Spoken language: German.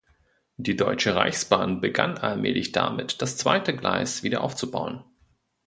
Die Deutsche Reichsbahn begann allmählich damit, das zweite Gleis wieder aufzubauen.